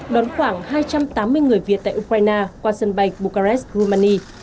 đón khoảng hai trăm tám mươi người việt tại ukraine qua sân bay bucharest romania